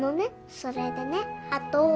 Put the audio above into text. それでねあと。